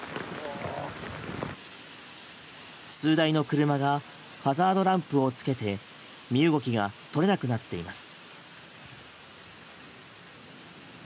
数台の車がハザードランプをつけて身動きが取れなくなっています。